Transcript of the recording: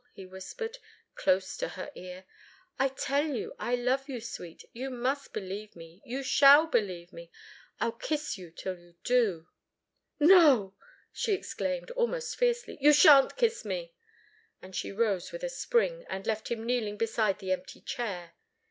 he whispered, close to her ear. "I tell you I love you, sweet you must believe me you shall believe me! I'll kiss you till you do." "No!" she exclaimed, almost fiercely. "You shan't kiss me!" And she rose with a spring, and left him kneeling beside the empty chair.